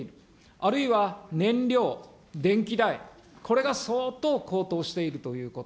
あるいは燃料、電気代、これが相当高騰しているということ。